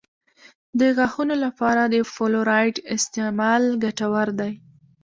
د غاښونو لپاره د فلورایډ استعمال ګټور دی.